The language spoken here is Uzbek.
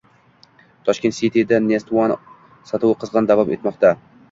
Tashkent City -da NestOne sotuvi qizg'in davom etmoqda